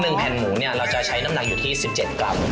แผ่นหมูเนี่ยเราจะใช้น้ำหนักอยู่ที่สิบเจ็ดกรัม